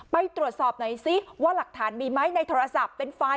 ไปตรวจสอบหน่อยซิว่าหลักฐานมีไหมในโทรศัพท์เป็นไฟล